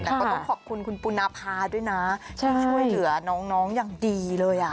แต่ก็ต้องขอบคุณคุณปุณภาด้วยนะที่ช่วยเหลือน้องอย่างดีเลยอ่ะ